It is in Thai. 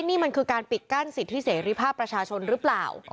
นี่มันคือการปิดกั้นสิทธิเสรีภาพประชาชนหรือเปล่า